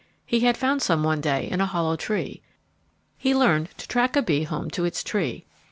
He had found some one day in a hollow tree. He learned to track a bee home to its tree.